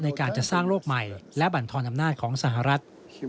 ในการจะสร้างโลกใหม่และบรรทอนอำนาจของสหรัฐ